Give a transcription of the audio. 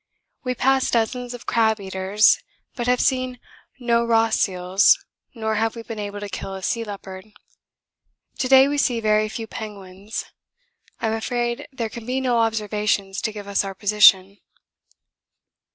We passed dozens of crab eaters, but have seen no Ross seals nor have we been able to kill a sea leopard. To day we see very few penguins. I'm afraid there can be no observations to give us our position.